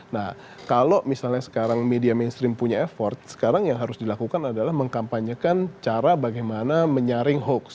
nah kalau misalnya sekarang media mainstream punya effort sekarang yang harus dilakukan adalah mengkampanyekan cara bagaimana menyaring hoax